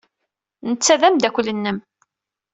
Netta d ameddakel-nnem.